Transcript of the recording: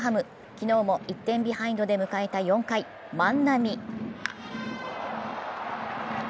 昨日も１点ビハインドで迎えた４回、万波。